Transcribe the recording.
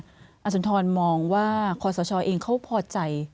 อาจารย์ทรอนมองว่าคอสเชาะเองเขาพอใจ